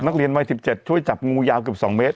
นักเรียนวัย๑๗ช่วยจับงูยาวเกือบ๒เมตร